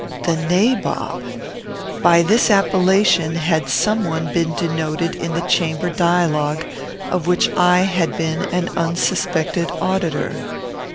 "The Nabob!" By this appellation had some one been denoted in the chamber dialogue of which I had been an unsuspected auditor.